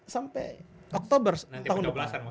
sampai oktober tahun dua ribu dua puluh